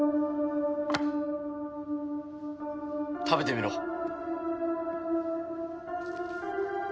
食べてみろ。